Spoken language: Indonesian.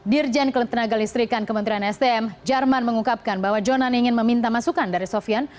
dirjen ketenaga listrikan kementerian sdm jerman mengungkapkan bahwa jonan ingin meminta masukan dari sofian